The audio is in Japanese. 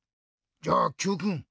じゃあＱくん